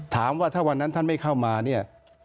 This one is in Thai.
ถามว่าถ้าวันนั้นท่านไม่เข้ามาเนี่ย